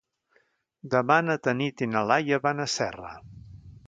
Demà na Tanit i na Laia van a Serra.